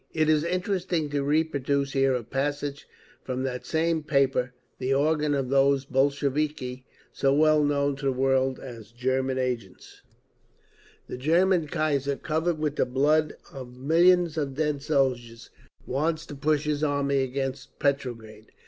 It is interesting to reproduce here a passage from that same paper—the organ of those Bolsheviki so well known to the world as German agents: The German kaiser, covered with the blood of millions of dead people, wants to push his army against Petrograd.